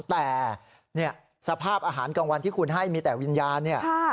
แต่เนี่ยสภาพอาหารกลางวันที่คุณให้มีแต่วิญญาณเนี่ย